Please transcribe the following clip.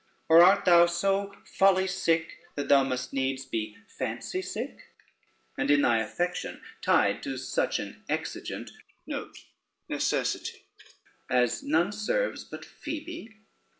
or art thou so folly sick, that thou must needs be fancy sick, and in thy affection tied to such an exigent, as none serves but Phoebe?